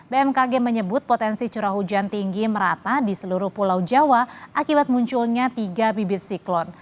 bmkg menyebut potensi curah hujan tinggi merata di seluruh pulau jawa akibat munculnya tiga bibit siklon